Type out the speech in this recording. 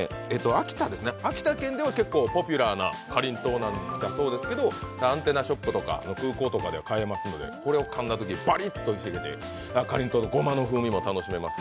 秋田、秋田県ではポピュラーなかりんとうなんだそうですけどアンテナショップとか空港とかで買えますのでこれをかんだとき、バリッとしていて、かりんとうのごまの風味も楽しめます。